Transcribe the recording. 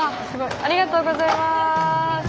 ありがとうございます！